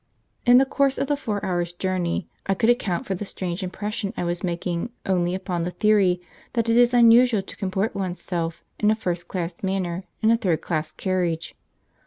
In the course of the four hours' journey, I could account for the strange impression I was making only upon the theory that it is unusual to comport oneself in a first class manner in a third class carriage.